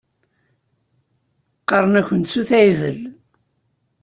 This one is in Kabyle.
Qqaṛen-akunt Sut Ɛidel.